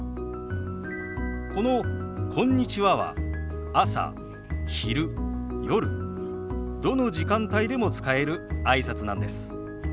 この「こんにちは」は朝昼夜どの時間帯でも使えるあいさつなんです。